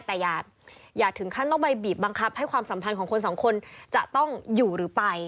แต่อย่าถึงขั้นต้องไปบีบบังคับให้ความสัมพันธ์ของคนสองคนจะต้องอยู่หรือไป